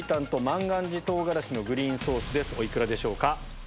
お幾らでしょうか？